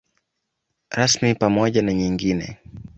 Rasmi pamoja na nyingine.